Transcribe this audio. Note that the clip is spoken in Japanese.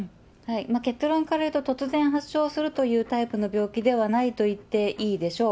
結論からいうと、突然発症するというタイプの病気ではないと言っていいでしょう。